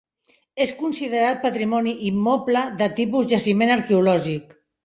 És considerat patrimoni immoble de tipus jaciment arqueològic.